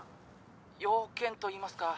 「用件といいますか」